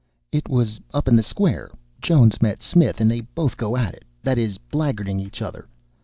"It was up in the Square. Jones meets Smith, and they both go at it that is, blackguarding each other.